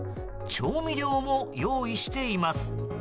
調味料も用意しています。